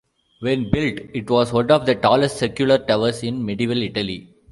When built it was one of the tallest secular towers in medieval Italy.